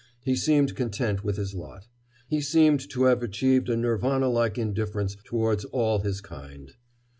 He seemed content with his lot. He seemed to have achieved a Nirvana like indifferency towards all his kind.